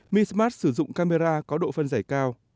mi smart sử dụng camera có độ phân giải cao